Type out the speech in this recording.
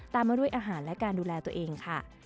มาด้วยอาหารและการดูแลตัวเองค่ะ